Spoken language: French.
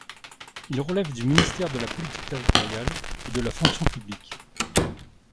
Il relève du ministère de la Politique territoriale et de la Fonction publique.